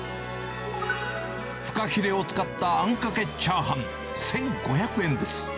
フカヒレを使ったあんかけチャーハン１５００円です。